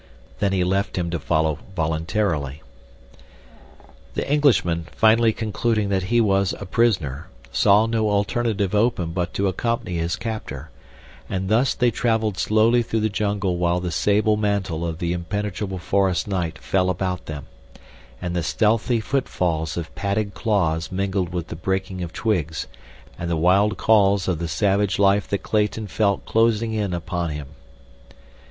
Then he left him to follow voluntarily. The Englishman, finally concluding that he was a prisoner, saw no alternative open but to accompany his captor, and thus they traveled slowly through the jungle while the sable mantle of the impenetrable forest night fell about them, and the stealthy footfalls of padded paws mingled with the breaking of twigs and the wild calls of the savage life that Clayton felt closing in upon him.